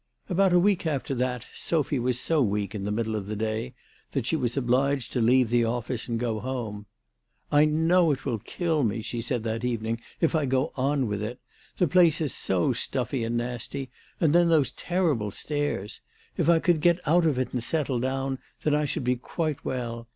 About a week after that Sophy was so weak in the middle of the day that she was obliged to leave the office and go home. " I know it will kill me," she said that evening, " if I go on with it. The place is so stuffy and nasty, and then those terrible stairs. If I could get out of it and settle down, then I should be quite well.